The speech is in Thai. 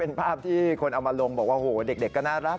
เป็นภาพที่คนเอามาลงบอกว่าโหเด็กก็น่ารัก